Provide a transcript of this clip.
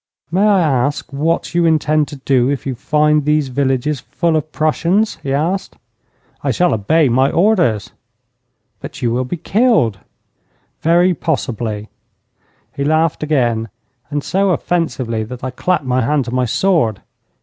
'May I ask what you intend to do if you find these villages full of Prussians?' he asked. 'I shall obey my orders.' 'But you will be killed.' 'Very possibly.' He laughed again, and so offensively that I clapped my hand to my sword.